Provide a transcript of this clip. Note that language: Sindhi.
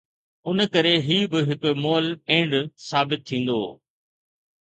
ان ڪري هي به هڪ مئل اينڊ ثابت ٿيندو.